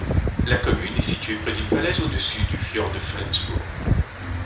La commune est située près d'une falaise au-dessus du fjord de Flensbourg.